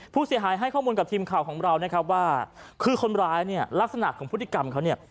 ผู้เสียหายให้ข้อมูลกับทีมข่าวของเรานะครับว่าคือคนร้ายเนี่ยลักษณะของพฤติกรรมเขาเนี่ย